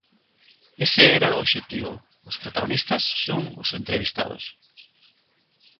Ese era o obxectivo, os protagonistas son os entrevistados.